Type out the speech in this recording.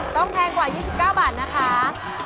แพงกว่า๒๙บาทนะคะ